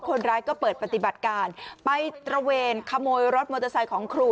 คนร้ายก็เปิดปฏิบัติการไปตระเวนขโมยรถมอเตอร์ไซค์ของครู